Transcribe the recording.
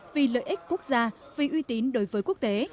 vì lợi ích quốc gia vì uy tín đối với quốc tế